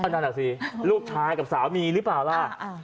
นั่นน่ะสิลูกชายกับสามีหรือเปล่าล่ะ